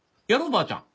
ばあちゃん。